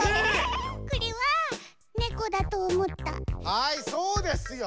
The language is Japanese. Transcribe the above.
はいそうですよ。